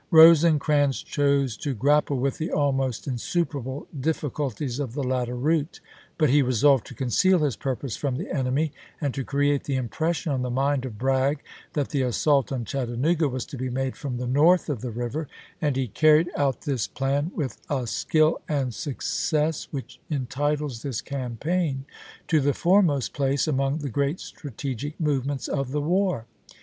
Rosecrans chose to grapple with the almost insuperable difficulties of the latter route ; but he resolved to conceal his purpose from the enemy and to create the impression on the mind of Bragg that the assault on Chattanooga was to be made from the north of the river ; and he can ied THE MAECH TO CHATTANOOGA 71 out this plan with a skill and success which en chap. m. titles this campaign to the foremost place among the great strategic movements of the war.